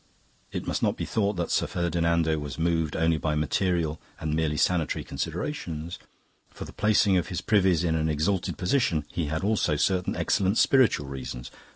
It must not be thought that Sir Ferdinando was moved only by material and merely sanitary considerations; for the placing of his privies in an exalted position he had also certain excellent spiritual reasons.